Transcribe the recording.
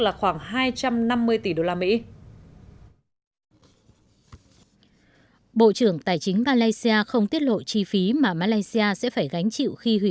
là khoảng hai trăm năm mươi tỷ usd bộ trưởng tài chính malaysia không tiết lộ chi phí mà malaysia sẽ phải gánh